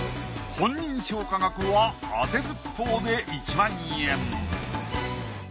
本人評価額は当てずっぽうで１万円。